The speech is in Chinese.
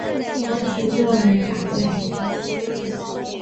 光绪六年调补打箭炉厅同知。